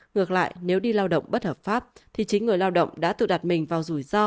ngược lại nếu đi lao động bất hợp pháp thì chính người lao động đã tự đặt mình vào rủi ro